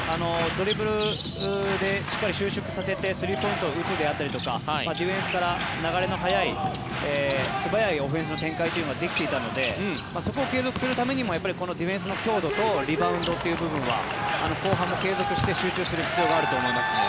ドリブルでしっかり収縮させてスリーポイントを打つであったりディフェンスから流れの速い素早いオフェンスの展開はできていたのでそこを継続するためにもディフェンスの強度とリバウンドという部分は後半も継続して集中する必要があると思いますね。